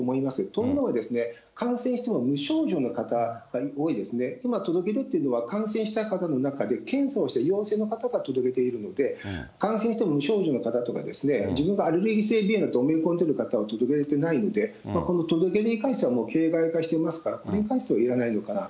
というのは、感染しても無症状の方が多いですね、今届け出ているのは、感染した方の中で検査をして、陽性の方が届けているので、感染しても無症状の方とか、自分がアレルギー性鼻炎だと思い込んでる方は届け出てないので、この届け出に関しては、形骸化していますから、これに対してはいらないのかな。